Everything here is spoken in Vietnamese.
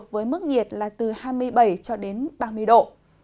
với mức nhiệt là từ hai mươi bảy ba mươi độ